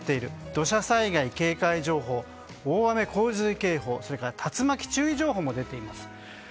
土砂災害警戒情報大雨・洪水警報それから竜巻注意情報も出ています。